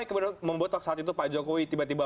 kemudian membuat saat itu pak jokowi tiba tiba